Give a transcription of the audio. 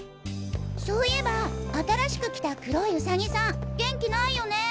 そいえば新しく来た黒いウサギさん元気ないよね。